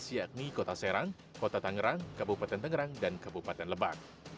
yakni kota serang kota tangerang kabupaten tangerang dan kabupaten lebak